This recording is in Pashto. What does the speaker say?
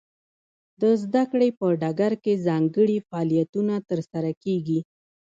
د زده کړې په ډګر کې ځانګړي فعالیتونه ترسره کیږي.